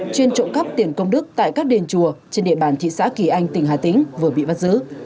chuyên trộm cắp tiền công đức tại các đền chùa trên địa bàn thị xã kỳ anh tỉnh hà tĩnh vừa bị bắt giữ